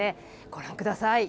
ご覧ください。